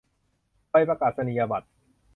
ใบประกาศนียบัตร